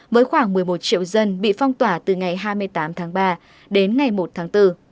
với khoảng một mươi một triệu dân bị phong tỏa từ ngày hai mươi tám tháng ba đến ngày một tháng bốn